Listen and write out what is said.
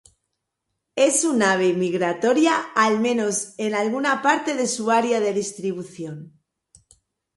Es un ave migratoria al menos en algunas parte de su área de distribución.